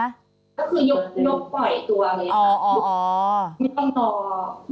ไม่ต้องรอระหว่างอุทธรณ์นี้ค่ะ